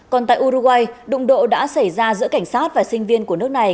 còn tại uruguay đụng độ đã xảy ra giữa cảnh sát và sinh viên của nước này